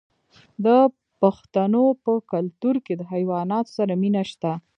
د پښتنو په کلتور کې د حیواناتو سره مینه شته.